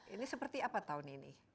ini seperti apa tahun ini